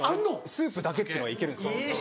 スープだけっていうのいけるんです。